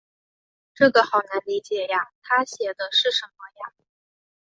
这个好难理解呀，她写的是什么呀？